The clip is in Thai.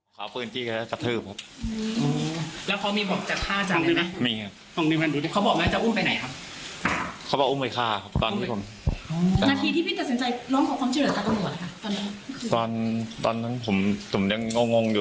อุ้มพ่อแม่ลูกก็เห็นตาลอย